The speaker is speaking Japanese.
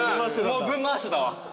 もうぶん回してたわ。